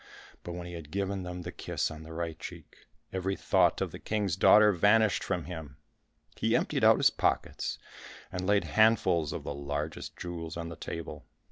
But when he had given them the kiss on the right cheek, every thought of the King's daughter vanished from him. He emptied out his pockets, and laid handfuls of the largest jewels on the table.